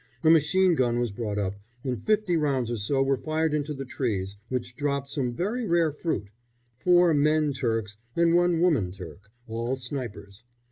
A machine gun was brought up, and fifty rounds or so were fired into the trees, which dropped some very rare fruit four men Turks and one woman Turk, all snipers.